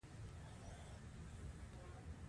زیات تولیدي وسایل باید د کمو افرادو لاس ته ورشي